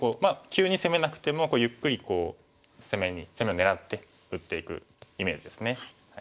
急に攻めなくてもゆっくりこう攻めを狙って打っていくイメージですね。